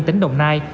tỉnh đồng nai